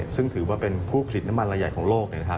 ซึ่งถือว่าเป็นผู้ผลิตน้ำมันรายใหญ่ของโลก